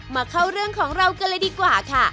มาเข้าเรื่องของเรากันเลยดีกว่าค่ะ